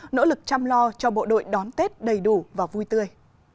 nỗ lực chăm lo cho bộ đội đón tết đầy đủ và vui tươi